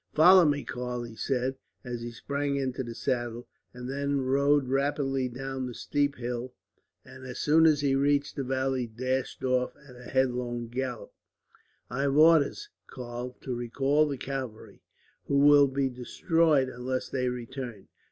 "Follow me, Karl," he said, as he sprang into the saddle; and then rode rapidly down the steep hill and, as soon as he reached the valley, dashed off at a headlong gallop. "I have orders, Karl, to recall the cavalry, who will be destroyed unless they return.